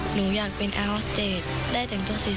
หนูอยากเป็นอาหารสเตรศได้เต็มตัวสีสวย